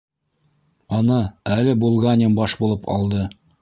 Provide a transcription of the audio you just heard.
Ана әле Булганин баш булып алды.